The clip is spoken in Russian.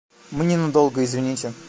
Мы ненадолго, извините.